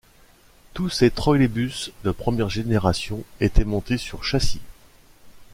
Tous ces trolleybus de première génération étaient montés sur châssis.